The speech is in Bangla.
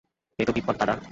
এই তো বিপদ দাদা।